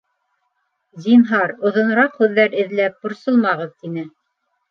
— Зинһар, оҙонораҡ һүҙҙәр эҙләп борсолмағыҙ, — тине